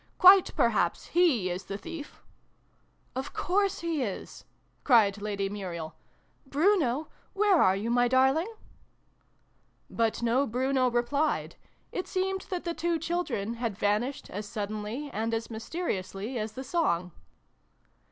" Quite perhaps he is the thief ?" "Of course he is!" cried Lady Muriel. " Bruno ! Where are you, my darling ?" But no Bruno replied : it seemed that the two children had vanished as suddenly, and as mysteriously, as the song.